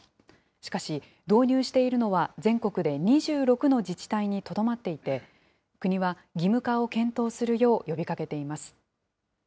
しかし、導入しているのは全国で２６の自治体にとどまっていて、国は義務化を検討するよう呼びかけています。